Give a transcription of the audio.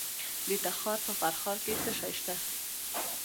د تخار په فرخار کې څه شی شته؟